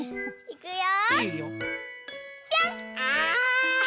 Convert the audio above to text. いくよ！